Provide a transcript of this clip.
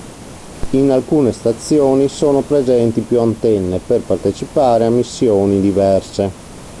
In alcune stazioni sono presenti più antenne per partecipare a missioni diverse.